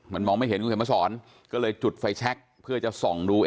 มันมองไม่เห็นคุณเขียนมาสอนก็เลยจุดไฟแชคเพื่อจะส่องดู